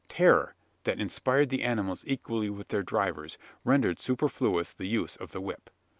Terror, that inspired the animals equally with their drivers, rendered superfluous the use of the whip.